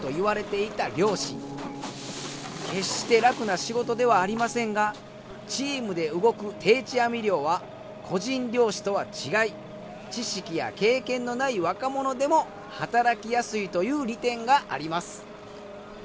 決して楽な仕事ではありませんがチームで動く定置網漁は個人漁師とは違い知識や経験のない若者でも働きやすいという利点があります。